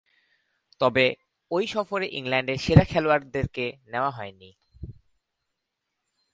তবে, ঐ সফরে ইংল্যান্ডের সেরা খেলোয়াড়দেরকে নেয়া হয়নি।